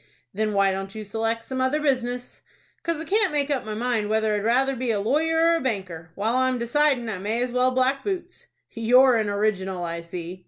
"Then why don't you select some other business?" "'Cause I can't make up my mind whether I'd rather be a lawyer or a banker. While I'm decidin' I may as well black boots." "You're an original, I see."